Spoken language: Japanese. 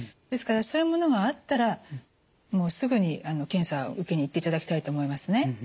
ですからそういうものがあったらもうすぐに検査を受けに行っていただきたいと思いますね。